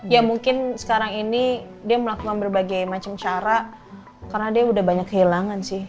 ya mungkin sekarang ini dia melakukan berbagai macam cara karena dia udah banyak kehilangan sih